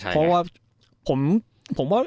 เพราะว่าผมว่า